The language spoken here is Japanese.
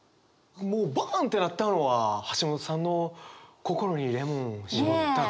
もうバンってなったのは橋本さんの「心にレモンをしぼった」がもう。